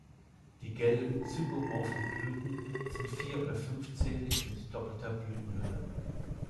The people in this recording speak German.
Die gelben, zygomorphen Blüten sind vier- oder fünfzählig mit doppelter Blütenhülle.